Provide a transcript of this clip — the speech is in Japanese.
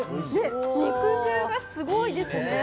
肉汁がすごいですね！